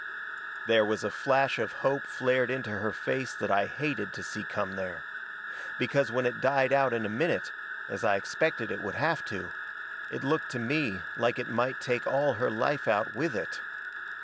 There was a flash of hope flared into her face that I hated to see come there. Because when it died out in a minute, as I expected it would have to, it looked to me like it might take all her life out with it.